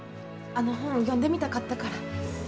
あの本読んでみたかったから。